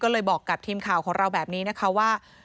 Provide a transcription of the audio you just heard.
ก็เลยบอกกับทีมข่าวของเราแบบนี้นะคะว่า